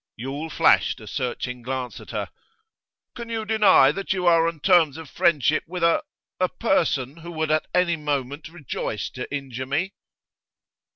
Yule flashed a searching glance at her. 'Can you deny that you are on terms of friendship with a a person who would at any moment rejoice to injure me?